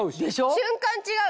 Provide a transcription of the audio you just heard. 瞬間違う！